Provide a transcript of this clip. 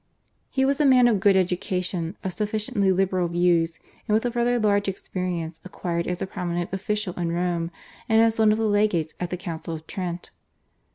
He was a man of good education, of sufficiently liberal views, and with a rather large experience acquired as a prominent official in Rome and as one of the legates at the Council of Trent.